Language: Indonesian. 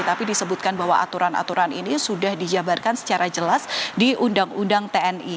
tapi disebutkan bahwa aturan aturan ini sudah dijabarkan secara jelas di undang undang tni